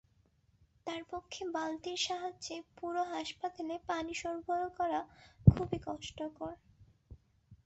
তাঁর পক্ষে বালতির সাহায্যে পুরো হাসপাতালে পানি সরবরাহ করা খুবই কষ্টকর।